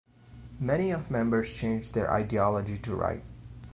Many of members changed their ideology to right.